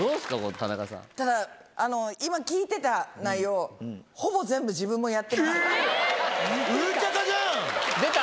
田だから、今聴いてた内容、ほぼ全部、自分もやってました。